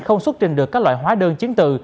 không xuất trình được các loại hóa đơn chiến tự